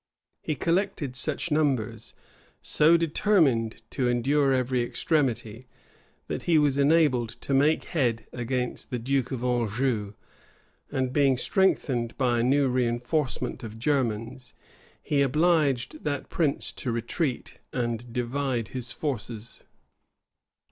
He collected such numbers, so determined to endure every extremity, that he was enabled to make head against the duke of Anjou; and being strengthened by a new reënforcement of Germans, he obliged that prince to retreat and to divide his forces.